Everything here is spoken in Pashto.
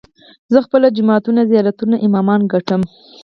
زه خپل جوماتونه، زيارتونه، امامان ګټم